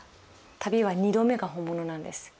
旅は二度目が本物なんです。